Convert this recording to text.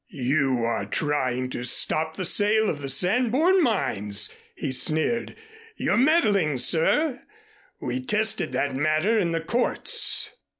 "You are trying to stop the sale of the Sanborn mines," he sneered. "You're meddling, sir. We tested that matter in the courts.